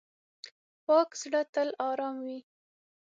پاک زړه تل آرام وي.